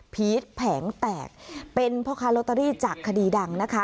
พีชแผงแตกเป็นพ่อค้าลอตเตอรี่จากคดีดังนะคะ